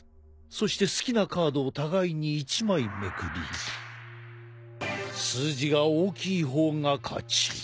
そして好きなカードを互いに１枚めくり数字が大きい方が勝ち。